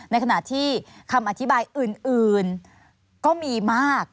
ในขณะที่คำอธิบายอื่นก็มีมาก